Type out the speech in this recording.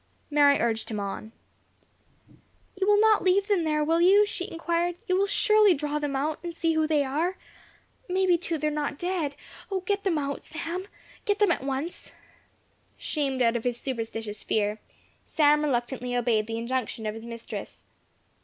Mary urged him on. "You will not leave them there, will you?" she inquired; "you will surely draw them out, and see who they are. May be, too, they are not dead. O, get them out, Sam, get them at once." Shamed out of his superstitious fear, Sam reluctantly obeyed the injunction of his mistress.